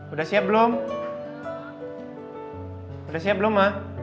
udah siap belum